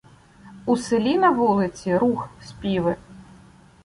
У селі на вулиці — рух, співи.